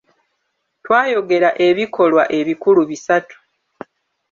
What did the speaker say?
Twayogera ebikolwa ebikulu bisatu.